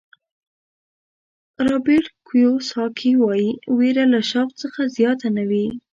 رابرټ کیوساکي وایي وېره له شوق څخه زیاته نه وي.